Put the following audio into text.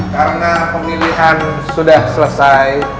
karena pemilihan sudah selesai